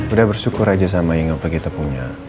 udah bersyukur aja sama yang apa kita punya